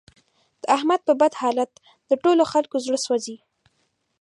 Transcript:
د احمد په بد حالت د ټول خکلو زړه سوځي.